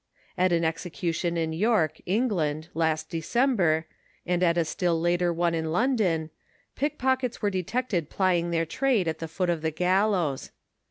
At an execution in York, (Eng.,) last December, and at a still later one in London, pickpockets were detected plying their trade at the foot of the gallows.